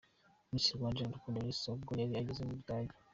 Miss Rwanda Iradukunda Elsa ubwo yari ageze mu Budage.